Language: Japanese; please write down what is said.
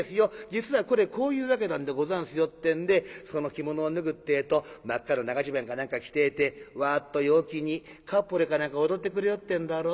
実はこれこういうわけなんでござんすよ』ってんでその着物を脱ぐってぇと真っ赤な長じゅばんか何か着てぇてわあっと陽気にカッポレか何か踊ってくれよってんだろ？